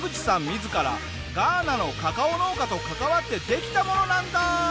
自らガーナのカカオ農家と関わってできたものなんだ！